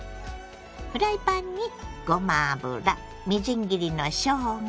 フライパンにごま油みじん切りのしょうが